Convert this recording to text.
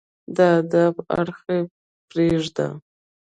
د ادب اړخ يې پرېږده